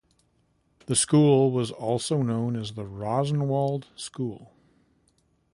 The school was also known as the Rosenwald School.